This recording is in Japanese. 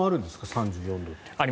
３４度って。